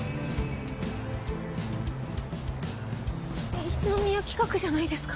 えっ一之宮企画じゃないですか。